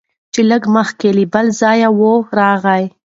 چي لږ مخکي له بل ځایه وو راغلی